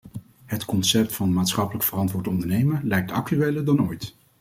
Het concept van maatschappelijk verantwoord ondernemen lijkt actueler dan ooit.